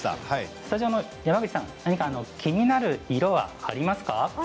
スタジオの山口さん気になるものありますか？